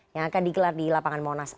yang akan dikelar di lapangan monas